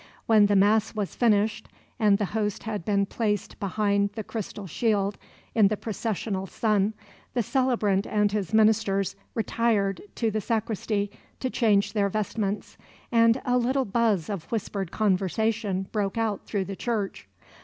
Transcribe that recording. When the Mass was finished, and the Host had been placed behind the crystal shield in the processional sun, the celebrant and his ministers retired to the sacristy to change their vestments, and a little buzz of whispered conversation broke out through the church.